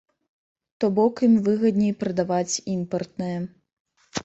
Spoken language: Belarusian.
То бок ім выгадней прадаваць імпартнае.